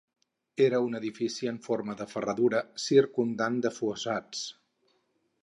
Era un edifici en forma de ferradura circumdat de fossats.